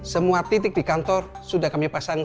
semua titik di kantor sudah kami pasang